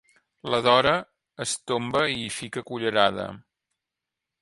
La Dora es tomba i hi fica cullerada.